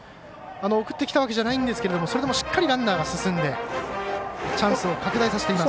送ってきたわけじゃないんですけどそれでも、しっかりランナーが進んでチャンスを拡大させています。